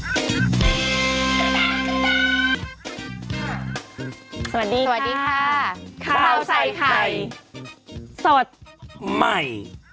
สวัสดีครับสวัสดีค่ะข้าวใส่ไทยสวัสดี